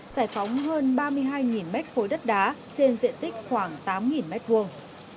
giải phóng hơn ba mươi hai mét khối đất đá trên diện tích khoảng tám mét vuông